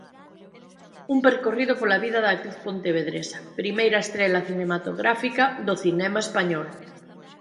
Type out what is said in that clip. Un percorrido pola vida da actriz pontevedresa, primeira estrela cinematográfica do cinema español.